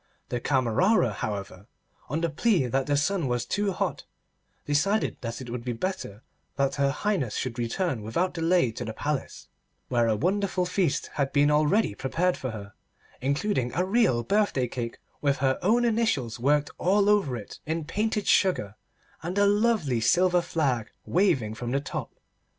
The Camerera, however, on the plea that the sun was too hot, decided that it would be better that her Highness should return without delay to the Palace, where a wonderful feast had been already prepared for her, including a real birthday cake with her own initials worked all over it in painted sugar and a lovely silver flag waving from the top.